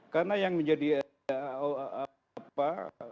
karena yang menjadi apa